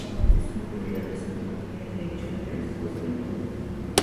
Esta mujer irlandesa fue compañera de hecho de Francisco Solano López.